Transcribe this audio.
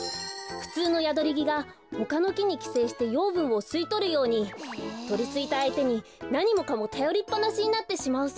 ふつうのヤドリギがほかのきにきせいしてようぶんをすいとるようにとりついたあいてになにもかもたよりっぱなしになってしまうそうです。